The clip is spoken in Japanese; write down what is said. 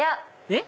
えっ？